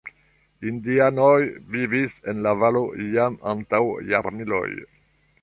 Indianoj vivis en la valo jam antaŭ jarmiloj.